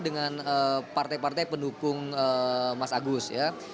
dengan partai partai pendukung mas agus ya